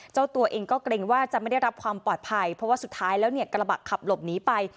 เจ้าตัวเองก็เกรงว่าจะไม่ได้รับความปลอดภัยเพราะว่าสุดท้ายแล้วเนี่ยกระบะขับหลบหนีไป